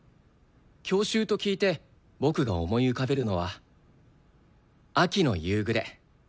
郷愁と聞いて僕が思い浮かべるのは秋の夕暮れ。